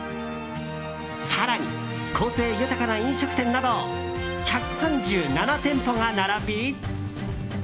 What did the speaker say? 更に個性豊かな飲食店など１３７店舗が並び。